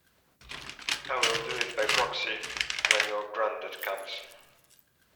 I'll do it by proxy, when your grandad comes.